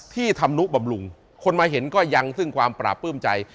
ธรรมนุบำรุงคนมาเห็นก็ยังซึ่งความปราบปลื้มใจ